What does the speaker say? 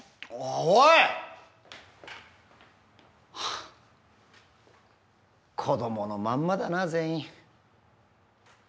あ子供のまんまだな全員。